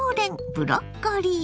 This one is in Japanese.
ブロッコリー。